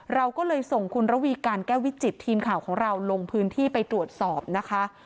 เราก็เลยส่งคุณระวีการแก้ววิจิตทีมข่าวของเราลงพื้นที่ไปตรวจสอบนะคะ